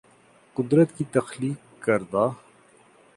قدرت کی تخلیق کردہ